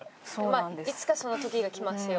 まあいつかその時が来ますよ。